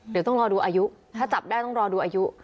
เดี๋ยวต้องรอดูอายุถ้าจับได้ต้องรอดูอายุ